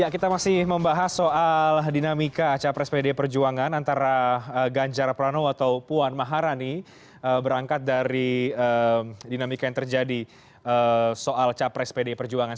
kita masih membahas soal dinamika capres pdi perjuangan antara ganjar pranowo atau puan maharani berangkat dari dinamika yang terjadi soal capres pdi perjuangan